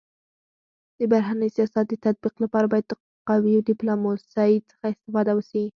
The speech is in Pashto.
د بهرني سیاست د تطبيق لپاره باید د قوي ډيپلوماسی څخه استفاده وسي.